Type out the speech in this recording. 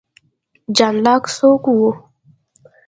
جان لاک څوک و؟